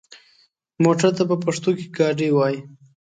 موټر ته په پښتو کې ګاډی وايي.